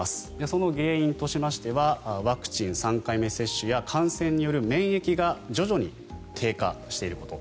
その原因としましてはワクチン３回目接種や感染による免疫が徐々に低下していること。